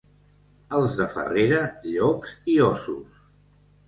Els de Farrera, llops i óssos.